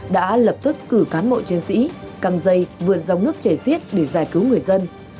đã lập tức cử cán bộ chiến sĩ căng dây vượt dòng nước chảy xiết để giải cứu người dân